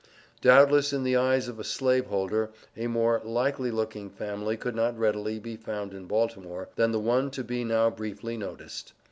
Doubtless, in the eyes of a Slaveholder, a more "likely looking" family could not readily be found in Baltimore, than the one to be now briefly noticed.